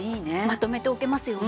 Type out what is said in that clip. まとめておけますよね。